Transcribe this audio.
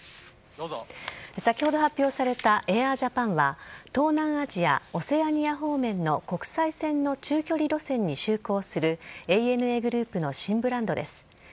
先ほど発表されたエアージャパンは、東南アジア、オセアニア方面の国際線の中距離路線に就航するＡＮＡグループの新ブランドです。